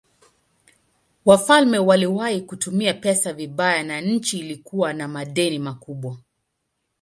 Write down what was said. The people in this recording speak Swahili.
Wafalme waliwahi kutumia pesa vibaya na nchi ilikuwa na madeni makubwa.